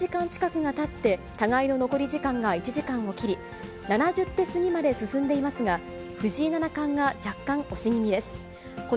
対局は開始から１０時間近くがたって、互いの残り時間が１時間を切り、７０手過ぎまで進んでいますが、藤井七冠が若干押し気味です。